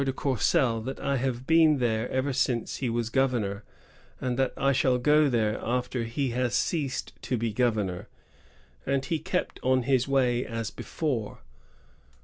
153 de Courcelle that I have been there ever since he was governor, and that I shall go there after he has ceased to be governor;" and he kept on his way as before.